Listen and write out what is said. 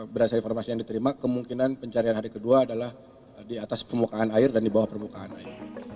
berdasarkan informasi yang diterima kemungkinan pencarian hari kedua adalah di atas permukaan air dan di bawah permukaan air